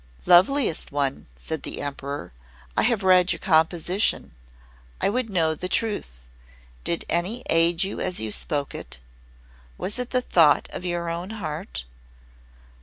"Loveliest One," said the Emperor, "I have read your composition. I would know the truth. Did any aid you as you spoke it? Was it the thought of your own heart?"